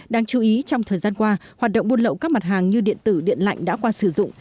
đáng chú ý trong thời gian qua hoạt động buôn lậu các mặt hàng như điện tử điện lạnh đã qua sử dụng